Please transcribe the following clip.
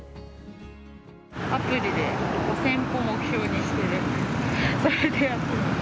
アプリで５０００歩目標にしている、それでやってます。